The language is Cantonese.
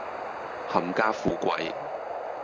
冚家富貴